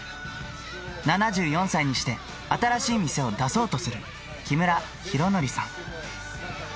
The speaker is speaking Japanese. ７４歳にして、新しい店を出そうとする、木村浩敬さん。